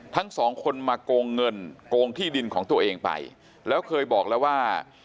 ทั้งสองคนมาโกงเงินโกงที่ดินของตัวเองไปแล้วเคยบอกแล้วว่า